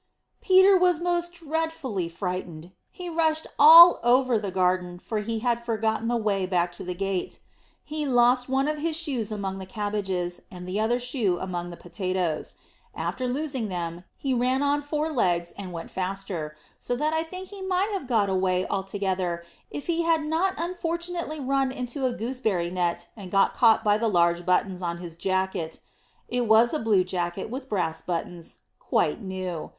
Peter was most dreadfully frightened; he rushed all over the garden, for he had forgotten the way back to the gate. He lost one of his shoes among the cabbages, and the other shoe among the potatoes. After losing them, he ran on four legs and went faster, so that I think he might have got away altogether if he had not unfortunately run into a gooseberry net, and got caught by the large buttons on his jacket. It was a blue jacket with brass buttons, quite new.